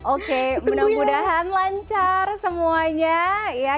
oke mudah mudahan lancar semuanya ya